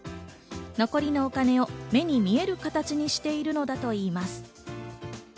残りのお金を目に見える形にしているのだといいます。